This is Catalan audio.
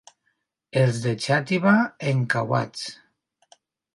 Els de Xàtiva, encauats.